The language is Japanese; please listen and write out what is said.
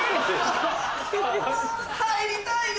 入りたいよ！